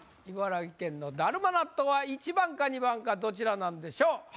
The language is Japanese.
茨城県のだるま納豆は１番か２番かどちらなんでしょう？